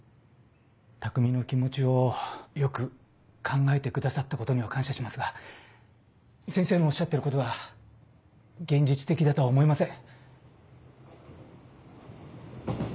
匠の気持ちをよく考えてくださったことには感謝しますが先生のおっしゃってることは現実的だとは思えません。